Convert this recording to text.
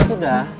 mbak misa sudah